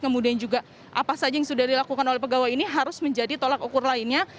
kemudian juga apa saja yang sudah dilakukan oleh pegawai ini harus menjadi tolak ukur lainnya